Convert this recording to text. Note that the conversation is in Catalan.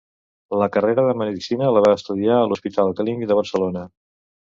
La carrera de medicina la va estudiar a l'Hospital Clínic de Barcelona.